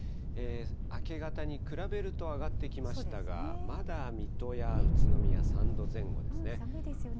明け方に比べると上がってきましたが、まだ水戸や宇都宮、３度前寒いですよね。